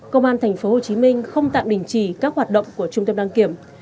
công an tp hcm không tạm đình chỉ các hoạt động của trung tâm đăng kiểm